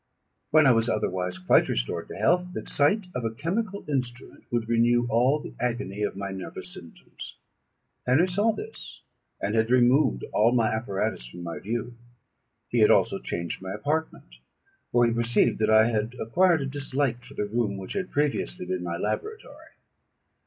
When I was otherwise quite restored to health, the sight of a chemical instrument would renew all the agony of my nervous symptoms. Henry saw this, and had removed all my apparatus from my view. He had also changed my apartment; for he perceived that I had acquired a dislike for the room which had previously been my laboratory.